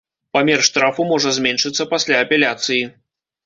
Памер штрафу можа зменшыцца пасля апеляцыі.